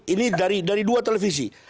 ini dari dua televisi